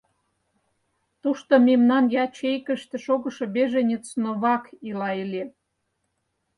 Тушто мемнан ячейкыште шогышо беженец Новак ила ыле.